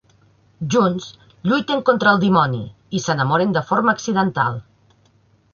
Junts lluiten contra el dimoni i s'enamoren de forma accidental.